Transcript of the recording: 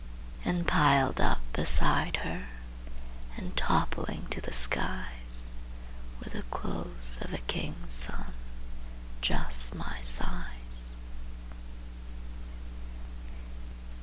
And piled up beside her And toppling to the skies, Were the clothes of a king's son, Just my size.